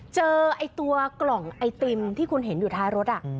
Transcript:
เจอไอ้ตัวกล่องไอติมที่คุณเห็นอยู่ท้ายรถ